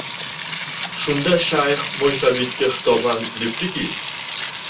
Shunda shayx mo‘ysafidga xitoban debdiki: